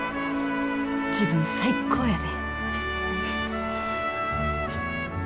自分最高やで！